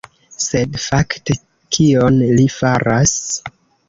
Sed fakte kion li faras?